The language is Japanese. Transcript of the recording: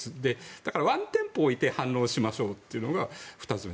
だから、ワンテンポ置いて反応しましょうというのが２つ目。